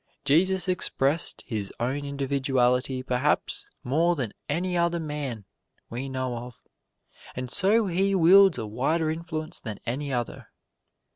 Jesus expressed His own individuality perhaps more than any other man we know of, and so He wields a wider influence than any other.